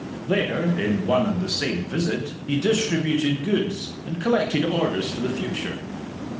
There, in one and the same visit, he distributed goods and collected orders for the future.